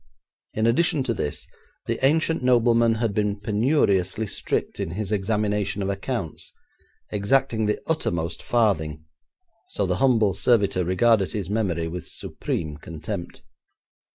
In addition to this, the ancient nobleman had been penuriously strict in his examination of accounts, exacting the uttermost farthing, so the humble servitor regarded his memory with supreme contempt.